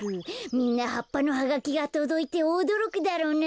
みんなはっぱのハガキがとどいておどろくだろうな。